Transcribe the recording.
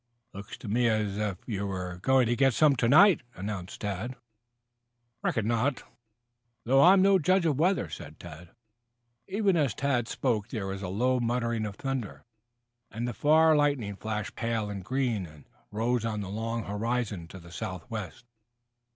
"Looks to me as if you were going to get some to night," announced Tad. "Reckon not." "Then I'm no judge of weather." Even as Tad spoke there was a low muttering of thunder, and the far lightning flashed pale and green, and rose on the long horizon to the southwest.